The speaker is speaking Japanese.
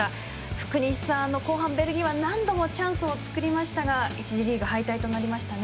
福西さん、後半ベルギーは何度もチャンスを作りましたが１次リーグ敗退となりましたね。